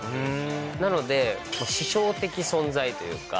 なので師匠的存在というか。